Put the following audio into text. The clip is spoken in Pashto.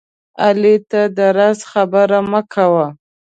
علي ته د راز خبره مه کوه